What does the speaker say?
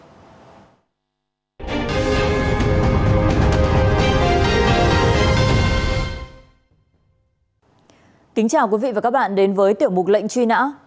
kính chào quý vị và các bạn đến với tiểu mục lệnh truy nã